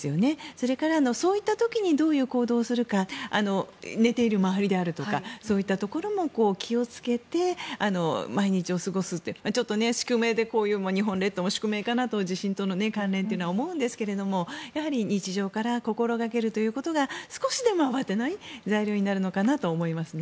それからそういった時にどういう行動をするか寝ている周りであるとかそういったところも気をつけて毎日を過ごすって日本列島の宿命かなと地震との関連というのは思うんですけれどやはり日常から心掛けるということで少しでも慌てない材料になるのかなと思います。